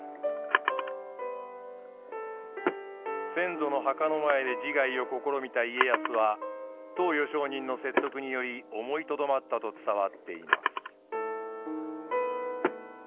先祖の墓の前で自害を試みた家康は登譽上人の説得により思いとどまったと伝わっています。